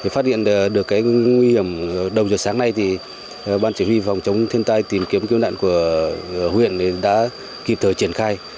phát hiện được cái nguy hiểm đầu giờ sáng nay thì ban chỉ huy phòng chống thiên tai tìm kiếm kiếm đạn của huyện đã kịp thời triển khai